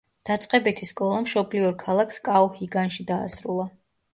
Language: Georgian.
დაწყებითი სკოლა მშობლიურ ქალაქ სკაუჰიგანში დაასრულა.